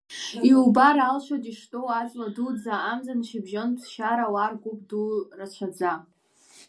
Иубар алшоит иштәоу аҵла дуӡӡа амҵан шьыбжьон ԥсшьара ауаа ргәыԥ ду рацәаӡа.